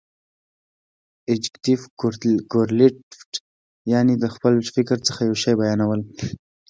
ابجګټف کورلیټف، یعني د خپل فکر څخه یو شي بیانول.